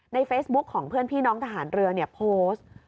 เฟซบุ๊คของเพื่อนพี่น้องทหารเรือเนี่ยโพสต์